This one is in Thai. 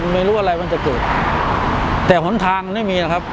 ไม่รู้อะไรมันจะเกิดแต่หนทางไม่มีนะครับ